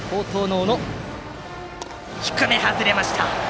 低めが外れました。